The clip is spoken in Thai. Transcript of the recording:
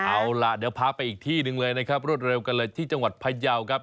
เอาล่ะเดี๋ยวพาไปอีกที่หนึ่งเลยนะครับรวดเร็วกันเลยที่จังหวัดพยาวครับ